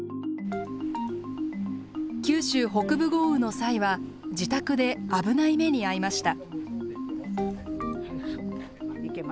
九州北部豪雨の際は自宅で危ない目に遭いました。